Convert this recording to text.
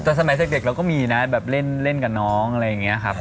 แต่สมัยเด็กเราก็มีนะแบบเล่นกับน้องอะไรอย่างนี้ครับ